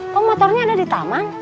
kok motornya ada di taman